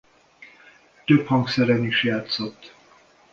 Több hangszeren is játszott.